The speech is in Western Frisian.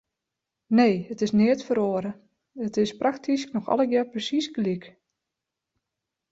Nee, it is neat feroare, it is praktysk noch allegear presiis gelyk.